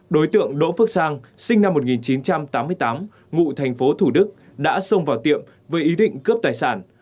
đối tượng đỗ phước sang sinh năm một nghìn chín trăm tám mươi tám ngụ thành phố thủ đức đã xông vào tiệm với ý định cướp tài sản